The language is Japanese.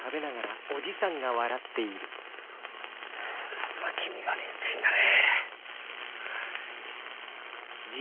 まずは君が冷静になれ！